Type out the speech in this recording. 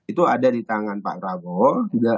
itu ada di tangan pak prabowo